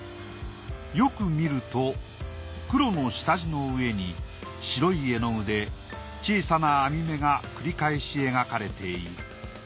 よく見ると黒の下地の上に白い絵の具で小さな網目が繰り返し描かれている。